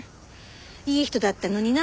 いい人だったのにな。